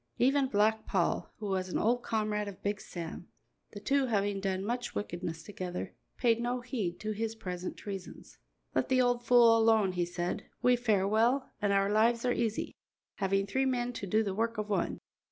Even Black Paul, who was an old comrade of Big Sam the two having done much wickedness together paid no heed to his present treasons. "Let the old fool alone," he said; "we fare well, and our lives are easy, having three men to do the work of one.